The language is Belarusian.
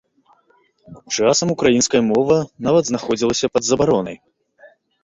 Часам украінская мова нават знаходзілася пад забаронай.